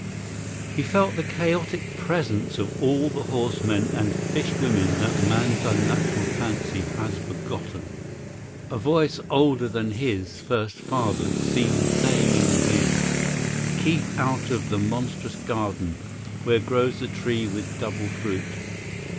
He felt the chaotic presence of all the horse men and fish women that man's unnatural fancy has begotten. A voice older than his first fathers seemed saying in his ear: "Keep out of the monstrous garden where grows the tree with double fruit.